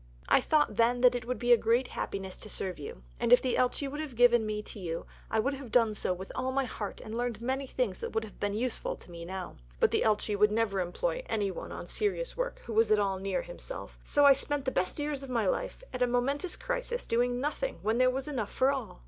I thought then that it would be a great happiness to serve you, and if the Elchi would have given me to you I would have done so with all my heart and learned many things that would have been useful to me now. But the Elchi would never employ any one on serious work who was at all near himself, so I spent the best years of my life at a momentous crisis doing nothing when there was enough for all!